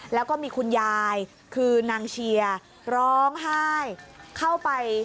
แล้วก็มีคุณยายคือนางเชียร์ร้องไห้เข้าไป